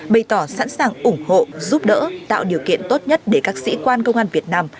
bày tỏ sẵn sàng ủng hộ giúp đỡ tạo điều kiện tốt nhất để các sĩ quan công an việt nam